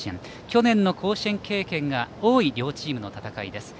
去年の甲子園経験が多い両チームの戦いです。